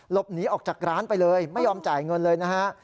หลบหนีออกจากร้านไปเลยไม่ยอมจ่ายเงินเลยนะฮะ